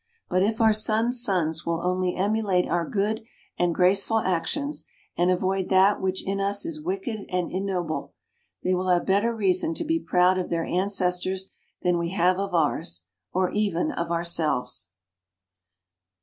But if our sons' sons will only emulate our good and graceful actions, and avoid that which in us is wicked and ignoble, they will have better reason to be proud of their ancestors than we have of ours, or even of ourselves.